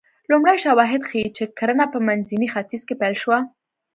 لومړي شواهد ښيي چې کرنه په منځني ختیځ کې پیل شوه